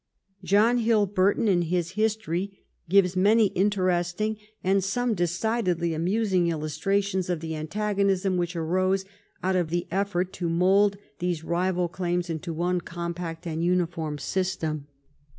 John Hill Burton, in his history, gives many interesting and 271 THE REIGN OF QUEEN ANNE some decidedly amusing illustrations of the antagonism which arose out of the effort to mould these rival claims into one compact and uniform system.